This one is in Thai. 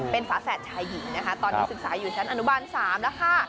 เป็นฝาแฝดชายหญิงนะคะตอนนี้ศึกษาอยู่ชั้นอนุบาล๓แล้วค่ะ